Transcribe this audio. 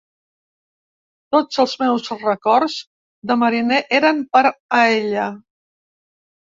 Tots els meus records de mariner eren per a ella.